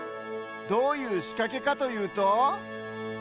どういうしかけかというと。